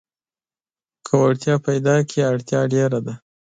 که وړتيا پيداکړې اړتيا ډېره ده.